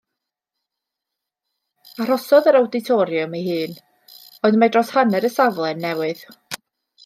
Arhosodd yr awditoriwm ei hun, ond mae dros hanner y safle yn newydd.